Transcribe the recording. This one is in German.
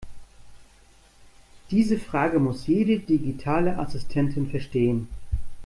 Diese Frage muss jede digitale Assistentin verstehen.